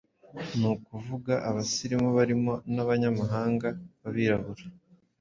ni ukuvuga abasirimu barimo n'abanyamahanga b'abirabura.